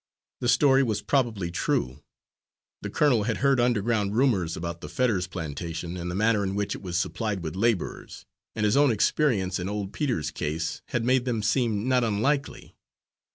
The story was probably true. The colonel had heard underground rumours about the Fetters plantation and the manner in which it was supplied with labourers, and his own experience in old Peter's case had made them seem not unlikely.